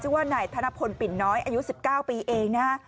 ว่านายธนพลปิ่นน้อยอายุ๑๙ปีเองนะฮะ